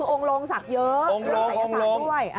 อองลงสัตว์เยอะ